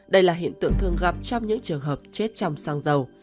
đây là hiện tượng thường gặp trong những trường hợp chết trong xăng dầu